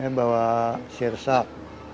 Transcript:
dia bawa sirsak